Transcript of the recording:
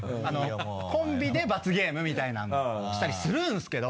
コンビで罰ゲームみたいなのもしたりするんですけど。